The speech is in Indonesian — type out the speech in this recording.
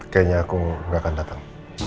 kayaknya aku gak akan datang